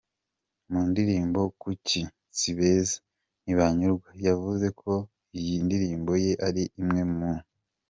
mu ndirimbo Kuki, Sibeza, Ntibanyurwayavuze ko iyi ndirimbo ye ari imwe mu.